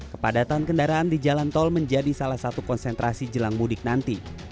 kepadatan kendaraan di jalan tol menjadi salah satu konsentrasi jelang mudik nanti